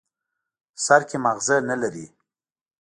سر کې ماغزه نه لري.